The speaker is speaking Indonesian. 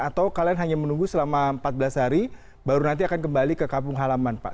atau kalian hanya menunggu selama empat belas hari baru nanti akan kembali ke kampung halaman pak